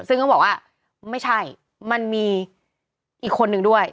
ซึ่งเขาบอกว่าไม่ใช่มันมีอีกคนนึงด้วย